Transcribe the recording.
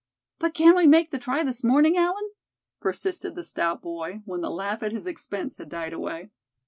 "But can we make the try this morning, Allan?" persisted the stout boy, when the laugh at his expense had died away.